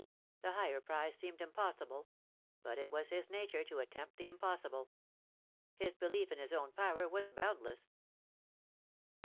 The higher prize seemed impossible ; but it was his nature to attempt the impossible. His belief in his own power was boundless.